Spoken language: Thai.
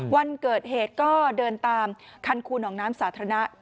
วันเกิดเหตุก็เดินตามคันคูหนองน้ำสาธารณะ